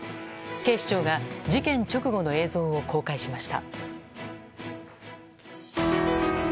警視庁が、事件直後の映像を公開しました。